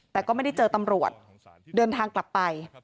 แต่ก็ไม่ได้เจอตำรวจเดินทางกลับไป